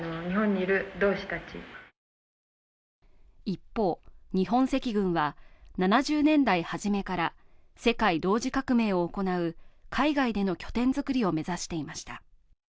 一方、日本赤軍は７０年代初めから世界同時革命を行う海外での拠点作りを目指していました。